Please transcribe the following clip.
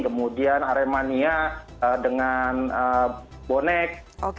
kemudian aremania dengan bonek